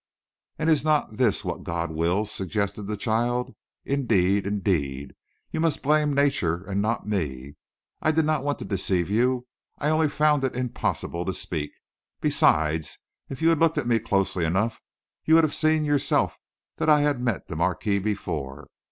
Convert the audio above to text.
"And is not this what God wills?" suggested the child. "Indeed, indeed, you must blame nature and not me. I did not want to deceive you. I only found it impossible to speak. Besides, if you had looked at me closely enough, you would have seen yourself that I had met the marquis before.